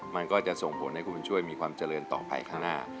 มันก็จะส่งผลให้คุณบุญช่วยมีความเจริญต่อไปข้างหน้า